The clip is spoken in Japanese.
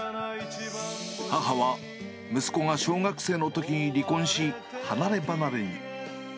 母は息子が小学生のときに離婚し、離れ離れに。